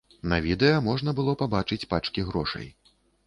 На відэа можна было пабачыць пачкі грошай.